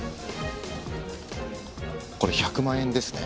これ１００万円ですね。